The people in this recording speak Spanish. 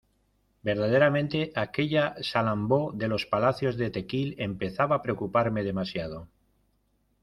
verdaderamente, aquella Salambó de los palacios de Tequil empezaba a preocuparme demasiado.